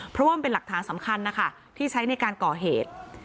เพราะว่ามันเป็นหลักฐานสำคัญนะคะที่ใช้ในการก่อเหตุ